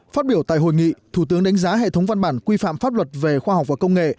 phát biểu tại hội nghị thủ tướng đánh giá hệ thống văn bản quy phạm pháp luật về khoa học và công nghệ